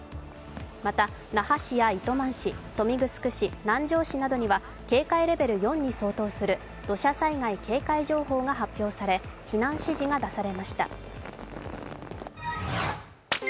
また、那覇市や糸満市、豊見城市、南城市などには警戒レベル４に相当する土砂災害警戒情報が発表され避難指示が出されました。